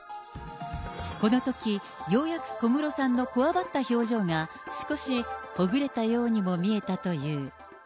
このとき、ようやく小室さんのこわばった表情が、少しほぐれたようにも見えたという。